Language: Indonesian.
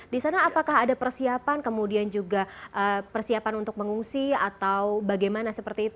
di sana apakah ada persiapan kemudian juga persiapan untuk mengungsi atau bagaimana seperti itu